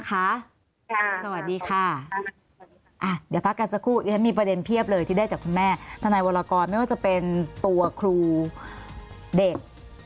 คะสวัสดีค่ะหนีมีประเด็นเพี้ยบเลยที่ได้แบบแม่ทันในวรากรไม่ว่าจะเป็นตัวครูเด็ก